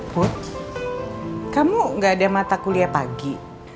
put kamu gak ada mata kuliah pagi